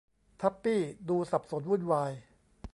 ทับปี้ดูสับสนวุ่นวาย